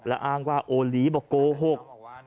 และอ้างว่าโอลีฟก็โกหก